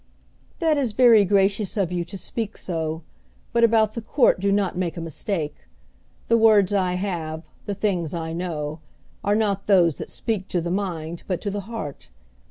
"That is very gracious of you, to speak so; but about the court do not make a mistake! The words I have, the things I know, are not those that speak to the mind but to the heart.